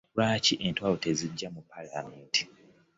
Lwaki entalo tezigwa mu palamenti?